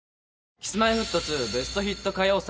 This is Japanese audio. Ｋｉｓ‐Ｍｙ‐Ｆｔ２ベストヒット歌謡祭